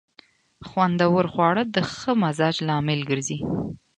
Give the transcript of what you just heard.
خوندور خواړه د ښه مزاج لامل ګرځي.